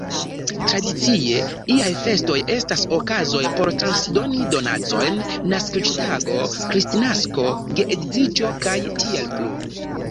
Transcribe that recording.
Tradicie iaj festoj estas okazoj por transdoni donacojn: naskiĝtago, Kristnasko, geedziĝo, kaj tiel plu.